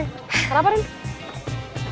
hai kenapa ini